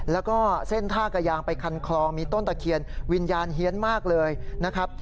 แล้วก็เส้นท่ากระยางไปคันคลองมีต้นตะเคียนวิญญาณเฮียนมากเลยนะครับ